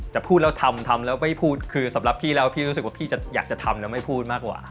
แต่พูดแล้วทำทำแล้วไม่พูดคือสำหรับพี่แล้วพี่รู้สึกว่าพี่จะอยากจะทำแล้วไม่พูดมากกว่า